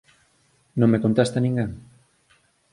Non me contesta ninguén.